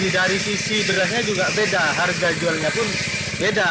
dari sisi berasnya juga beda harga jualnya pun beda